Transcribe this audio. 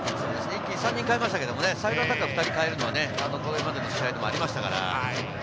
３人代えましたけれど、サイドアタッカー２人を代えたのはこれまでもありましたから。